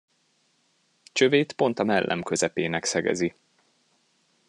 Csövét pont a mellem közepének szegezi.